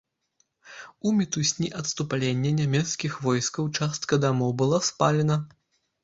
У мітусні адступлення нямецкіх войскаў частка дамоў была спалена.